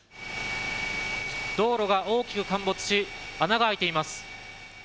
道路が大きく陥没し穴が開いています。